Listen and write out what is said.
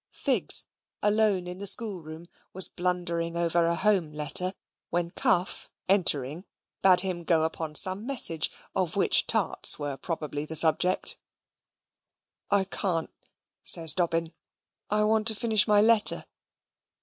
Figs, alone in the schoolroom, was blundering over a home letter; when Cuff, entering, bade him go upon some message, of which tarts were probably the subject. "I can't," says Dobbin; "I want to finish my letter."